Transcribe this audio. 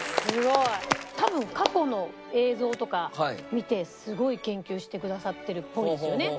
多分過去の映像とか見てすごい研究してくださってるっぽいですよね。